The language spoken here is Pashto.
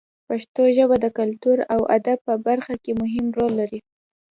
پښتو ژبه د کلتور او ادب په برخه کې مهم رول لري.